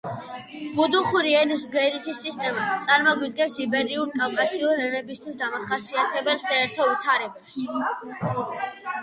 ბუდუხური ენის ბგერითი სისტემა წარმოგვიდგენს იბერიულ-კავკასიური ენებისათვის დამახასიათებელ საერთო ვითარებას.